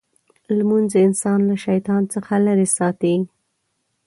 لمونځ انسان له شیطان څخه لرې ساتي.